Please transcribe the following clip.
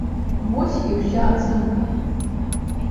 Вось і ўся ацэнка.